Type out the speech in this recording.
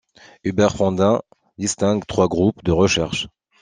Hubert Fondin distingue trois groupes de recherches.